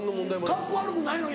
カッコ悪くないの？